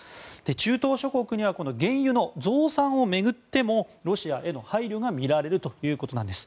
中東諸国には原油の増産を巡ってもロシアへの配慮が見られるということです。